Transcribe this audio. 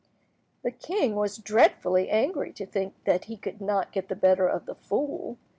The king was dreadfully angry to think that he could not get the better of the fool.